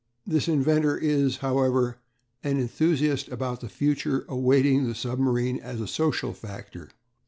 This inventor is, however, an enthusiast about the future awaiting the submarine as a social factor.